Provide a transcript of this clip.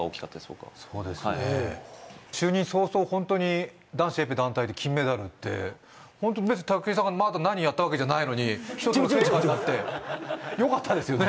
僕はそうですね就任早々ホントに男子エペ団体で金メダルって武井さんがまだ何やったわけじゃないのに一つの成果になってよかったですよね